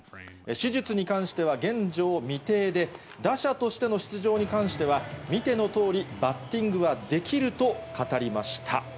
手術に関しては、現状未定で、打者としての出場に関しては、見てのとおり、バッティングはできると語りました。